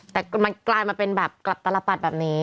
แต่มันกลายมาเป็นแบบกลับตลปัดแบบนี้